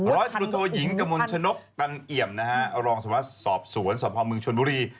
รถกุโทหยิงกมลชนกตันเอี่ยมนะฮะรองสมศาสตร์สอบสวนสอบภาคเมืองชนบุรี